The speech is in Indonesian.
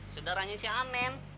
saudaranya si anen